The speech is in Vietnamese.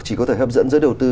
chỉ có thể hấp dẫn giữa đầu tư